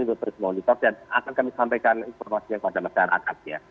untuk terus memonitor dan akan kami sampaikan informasinya kepada masyarakat ya